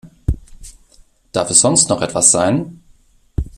Darf es sonst noch etwas sein?